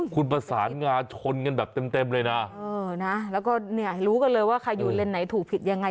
คุณประสานงาชนกันแบบเต็มเลยนะเออนะแล้วก็เนี่ยรู้กันเลยว่าใครอยู่เลนไหนถูกผิดยังไง